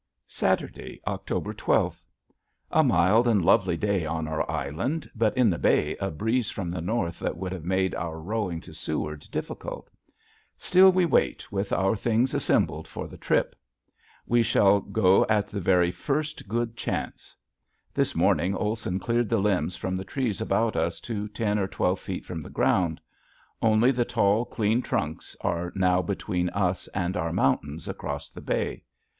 Saturday, October twelfth. A mild and lovely day on our island but in the bay a breeze from the north that would have made our rowing to Seward difficult. Still we wait with our things assembled for the trip. We shall go at the very first good chance. This morning Olson cleared the limbs from the trees about us to ten or twelve feet from the ground. Only the tall, clean trunks are now between us and our mountains across the bay.